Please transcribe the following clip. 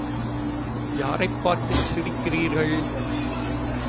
யாரைப் பார்த்துச் சிரிக்கிறீர்கள்.